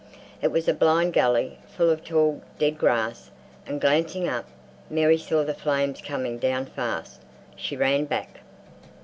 It was a blind gully full of tall dead grass, and, glancing up, Mary saw the flames coming down fast. She ran back.